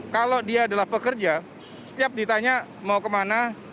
kalau dia adalah pekerja setiap ditanya mau kemana